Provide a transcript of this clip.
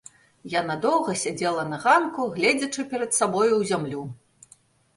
Яна доўга сядзела на ганку, гледзячы перад сабою ў зямлю.